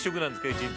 １日。